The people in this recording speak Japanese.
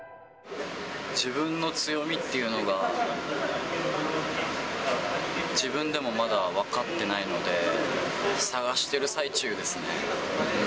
自分の強みというのが、自分でもまだ分かってないので、探している最中ですね。